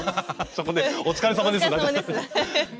そこね「お疲れさまです」。